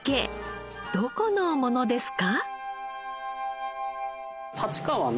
どこのものですか？